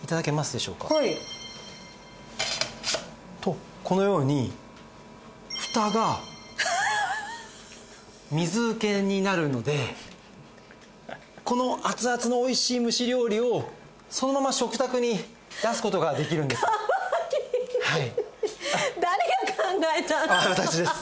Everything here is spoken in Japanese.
とこのようにフタが水受けになるのでこの熱々のおいしい蒸し料理をそのまま食卓に出す事ができるんです。私です。